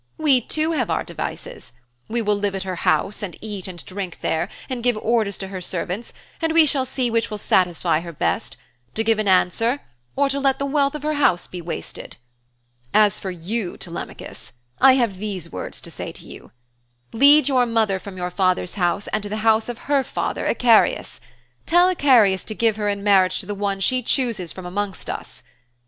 We too have our devices. We will live at her house and eat and drink there and give orders to her servants and we shall see which will satisfy her best to give an answer or to let the wealth of her house be wasted. 'As for you, Telemachus, I have these words to say to you. Lead your mother from your father's house and to the house of her father, Icarius. Tell Icarius to give her in marriage to the one she chooses from amongst us.